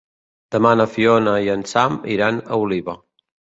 Demà na Fiona i en Sam iran a Oliva.